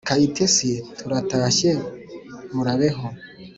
kayitesi: turatashye, murabeho!